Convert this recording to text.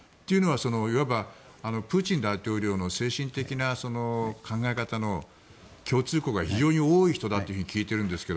いわばプーチン大統領の精神的な考え方の共通項が非常に多い人だと聞いているんですが